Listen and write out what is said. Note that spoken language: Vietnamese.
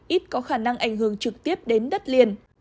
ít có khả năng ảnh hưởng trực tiếp đến đất liền